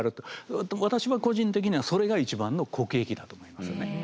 私は個人的にはそれが一番の国益だと思いますね。